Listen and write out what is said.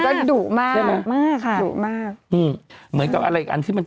ก็ดุมากใช่ไหมดุมากค่ะดุมากอืมเหมือนกับอะไรอีกอันที่มัน